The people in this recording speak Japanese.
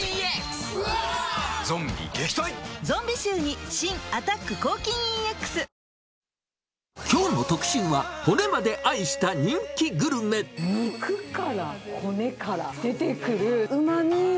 ゾンビ臭に新「アタック抗菌ＥＸ」きょうの特集は、骨まで愛し肉から骨から出てくるうまみ。